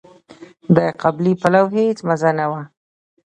د قابلي پلو هيڅ مزه نه وه.